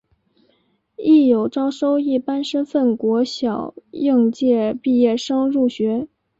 亦有招收一般身份国小应届毕业生入学。